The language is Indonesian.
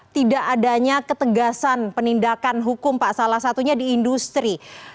tidak adanya ketegasan penindakan hukum pak salah satunya di industri